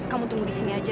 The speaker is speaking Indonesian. kamu tunggu di sini aja